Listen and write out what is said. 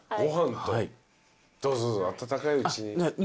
どうぞどうぞ温かいうちに。